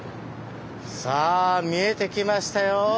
さあ見えてきましたよ。